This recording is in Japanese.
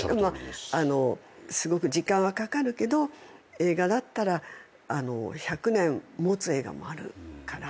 すごく時間はかかるけど映画だったら１００年もつ映画もあるから